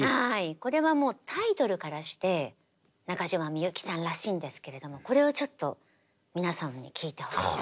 これはもうタイトルからして中島みゆきさんらしいんですけれどもこれをちょっと皆さんに聴いてほしいなと。